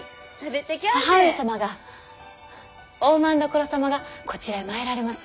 母上様が大政所様がこちらへ参られます。